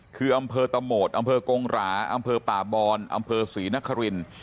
คืออำเภอตะโหมดอำเภอกงหราอำเภอป่าบอนอำเภอศรีนคริน